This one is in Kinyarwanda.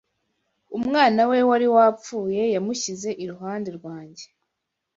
umwana we wari wapfuye yamushyize iruhande rwanjye